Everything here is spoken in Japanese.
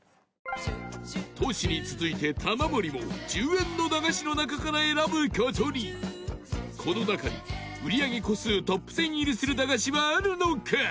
トシに続いて、玉森も１０円の駄菓子の中から選ぶ事にこの中に売上個数トップ１０入りする駄菓子はあるのか？